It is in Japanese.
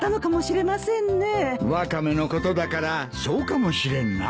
ワカメのことだからそうかもしれんなあ。